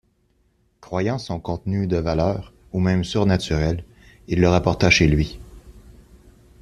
Croyant son contenu de valeur ou même surnaturel, il le rapporta chez lui.